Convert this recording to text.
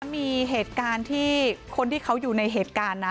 มีเหตุการณ์ที่คนที่เขาอยู่ในเหตุการณ์นะ